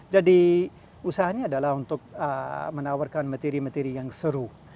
jadi usahanya adalah untuk menawarkan materi materi yang seru